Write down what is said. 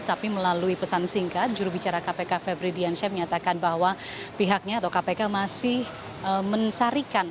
tapi melalui pesan singkat jurubicara kpk febri diansyah menyatakan bahwa pihaknya atau kpk masih mensarikan